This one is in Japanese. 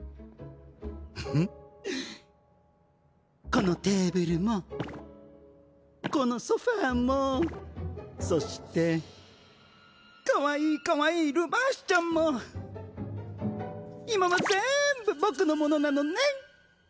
このテーブルもこのソファーもそしてかわいいかわいいルヴァーンシュちゃんも今はぜんぶ僕のものなのねん！